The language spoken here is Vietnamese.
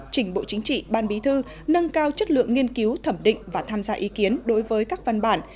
chỉnh bộ chính trị ban bí thư nâng cao chất lượng nghiên cứu thẩm định và tham gia ý kiến đối với các văn bản